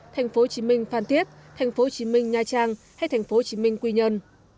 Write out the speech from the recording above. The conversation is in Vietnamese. tp hcm phàn tiết tp hcm nha trang hay tp hcm quy nhân